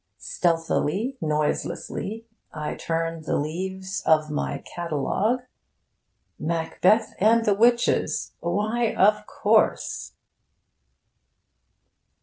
Stealthily, noiselessly, I turn the leaves of my catalogue... 'Macbeth and the Witches.' Why, of course!